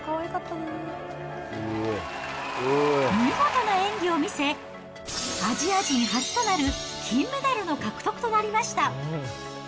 見事な演技を見せ、アジア人初となる金メダルの獲得となりました。